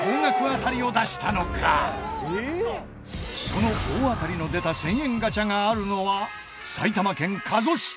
その大当たりの出た１０００円ガチャがあるのは埼玉県加須市。